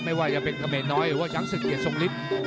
ไม่ว่าจะเป็นกระเมนน้อยหรือว่าจะเป็นชั้นสุดเกียรติสงฤทธิ์